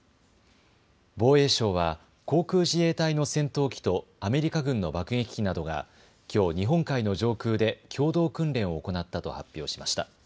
防衛省は航空自衛隊の戦闘機とアメリカ軍の爆撃機などがきょう日本海の上空で共同訓練を行ったと発表しました。